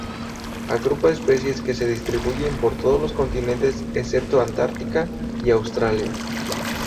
Agrupa especies que se distribuyen por todos los continentes excepto Antártica y Australia.